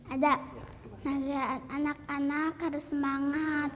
ada anak anak harus semangat